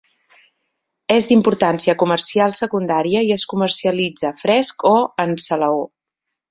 És d'importància comercial secundària i es comercialitza fresc o en salaó.